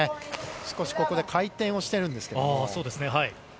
少しここで回転をしてるんですけそうですね。